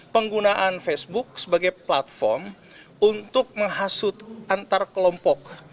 penggunaan facebook sebagai platform untuk menghasut antar kelompok